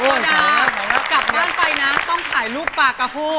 กลับบ้านไปนะต้องถ่ายรูปปากกะฮู้